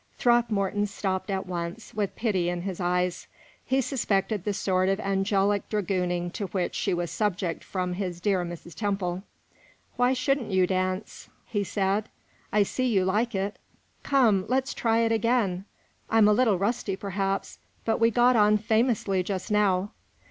Throckmorton stopped at once, with pity in his eyes. He suspected the sort of angelic dragooning to which she was subject from his dear Mrs. Temple. "Why shouldn't you dance?" he said. "I see you like it. Come, let's try it again. I'm a little rusty, perhaps, but we got on famously just now."